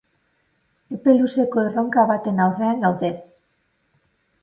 Epe luzeko erronka baten aurrean gaude.